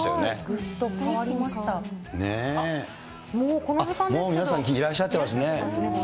もう皆さん、いらっしゃってますね。